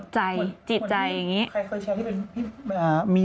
ใจจิตใจอย่างนี้